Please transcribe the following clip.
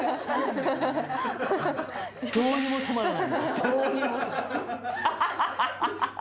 どうにも止まらない。